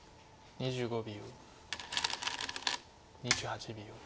２５秒。